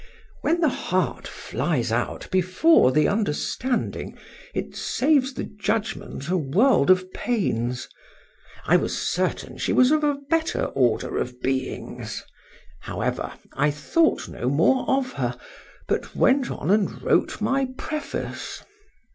When the heart flies out before the understanding, it saves the judgment a world of pains.—I was certain she was of a better order of beings;—however, I thought no more of her, but went on and wrote my preface.